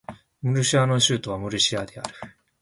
ムルシア州の州都はムルシアである